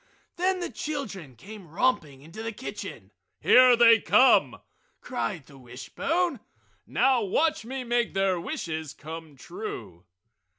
Then the children came romping into the kitchen. "Here they come!" cried the wishbone. "Now watch me make their wishes come true!"